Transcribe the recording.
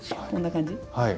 こんな感じ？